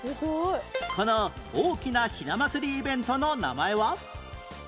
この大きなひな祭りイベントの名前は？